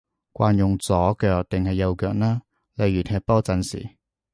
慣用左腳定係右腳呢？例如踢波陣時